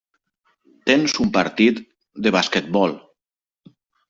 Tens un partit de basquetbol.